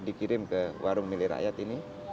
dikirim ke warung milirakyat ini